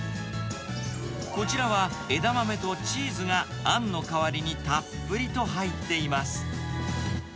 こちらは枝豆とチーズがあんの代わりにたっぷりと入っています。